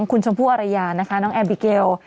คุณชมพู่อรยานะคะน้องแอบิเกล